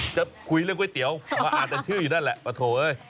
จะคุยเรื่องก๋วยเตี๋ยวก็อาจจะชื่ออยู่นั่นแหละปะโถเอ้ย